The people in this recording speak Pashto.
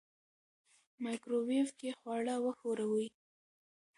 مایکروویو کې خواړه وښوروئ.